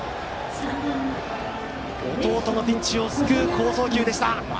弟のピンチを救う好送球でした。